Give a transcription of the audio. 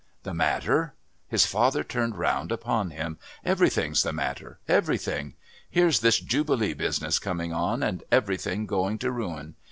"The matter?" His father turned round upon him. "Everything's the matter. Everything! Here's this Jubilee business coming on and everything going to ruin.